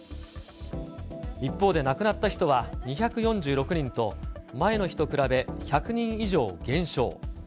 一方で亡くなった人は２４６人と、前の日と比べ１００人以上減少。